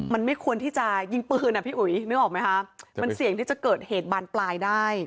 มันไม่ควรที่จะยิงปืนอ่ะพี่อุ๋ยนึกออกไหมคะมันเสี่ยงที่จะเกิดเหตุบานปลายได้